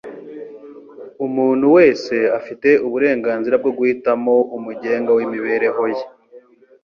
Umuntu wese afite uburenganzira bwo guhitamo umugenga w'imibereho ye.